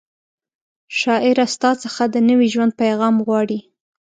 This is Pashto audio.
شاعره ستا څخه د نوي ژوند پیغام غواړي